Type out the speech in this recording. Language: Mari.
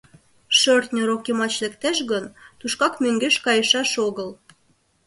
Шӧртньӧ рок йымач лектеш гын, тушкак мӧҥгеш кайышаш огыл.